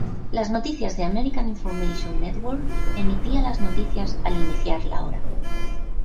Las noticias de "American Information Network" emitía las noticias al iniciar la hora.